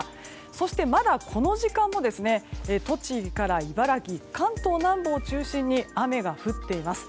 そしてまだこの時間も栃木から茨城、関東南部を中心に雨が降っています。